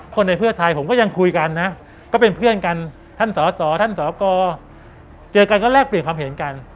ในเพื่อไทยผมก็ยังคุยกันนะก็เป็นเพื่อนกันท่านสอสอท่านสกเจอกันก็แลกเปลี่ยนความเห็นกัน